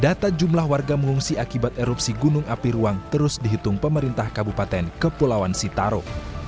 data jumlah warga mengungsi akibat erupsi gunung api ruang terus dihitung pemerintah kabupaten kepulauan sitaro